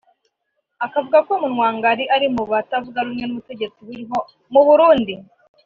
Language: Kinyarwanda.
akavuga ko Munwangari ari mu batavuga rumwe n’ubutegetsi buriho mu Burundi